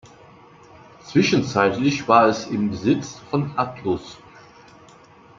Zwischenzeitlich war es im Besitz von Atlus.